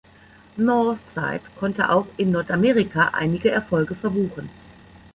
Northside konnte auch in Nordamerika einige Erfolge verbuchen.